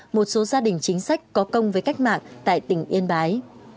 một số gia đình chính sách có công với cách mạng tại tỉnh yên bái